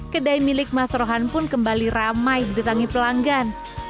kedai milik mas rohan pun kembali ramai digetangi pelanggan